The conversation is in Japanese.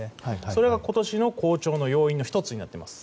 それが今年の好調の要因の１つになっています。